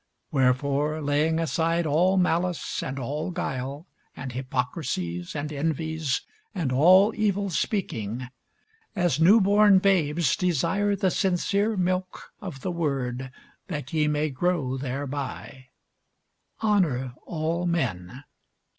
Wherefore laying aside all malice, and all guile, and hypocrisies, and envies, and all evil speakings, as newborn babes, desire the sincere milk of the word, that ye may grow thereby. Honour all men.